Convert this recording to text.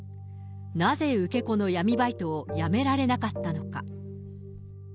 なぜ受け子の闇バイトを辞められなかったのか。